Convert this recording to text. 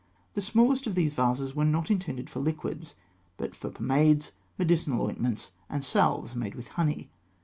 The smallest of these vases were not intended for liquids, but for pomades, medicinal ointments, and salves made with honey.